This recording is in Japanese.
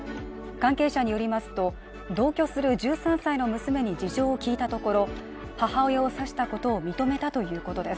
関係者によりますと、同居する１３歳の娘に事情を聴いたところ母親を刺したことを認めたということです。